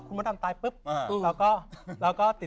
พอคุณมดดำตายปุ๊บเราก็ติดโทษ